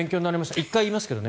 １回言いますけどね。